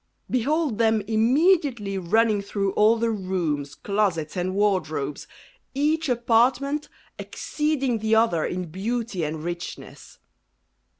Behold them immediately running through all the rooms, closets, and wardrobes, each apartment exceeding the other in beauty and richness.